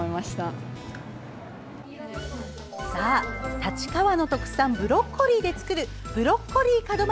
立川の特産ブロッコリーで作るブロッコリー門松。